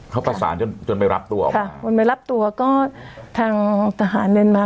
เขาประสานจนจนไปรับตัวออกมาค่ะคนไปรับตัวก็ทางทหารเมียนมา